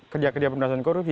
kerja kerja pemberitahuan korupsi